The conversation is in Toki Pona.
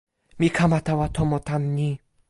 mi kama tawa tomo tan ni.